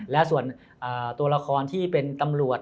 และส่วนตัวละครที่เป็นตำรวจ